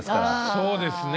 そうですね。